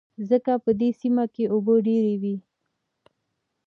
ځکه په دې سيمه کې اوبه ډېر وې.